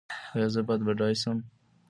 ایا زه باید بډای شم؟